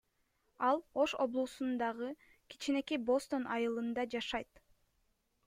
Ал Ош облусундагы кичинекей Бостон айылында жашайт.